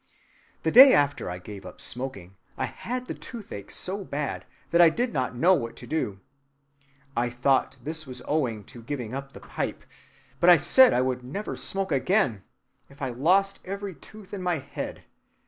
The day after I gave up smoking I had the toothache so bad that I did not know what to do. I thought this was owing to giving up the pipe, but I said I would never smoke again, if I lost every tooth in my head.